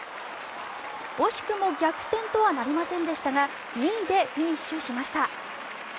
惜しくも逆転とはなりませんでしたが２位でフィニッシュしました。